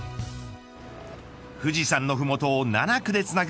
富士山の麓を７区でつなぐ